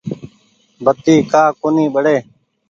بتي ڪآ ڪونيٚ ٻڙي ۔